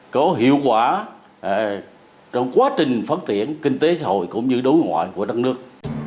có hiệu quả trong quá trình phát triển kinh tế xã hội cũng như đối ngoại của đất nước